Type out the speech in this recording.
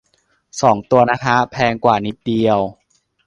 สองตัว นะฮะ แพงกว่านิดเดียว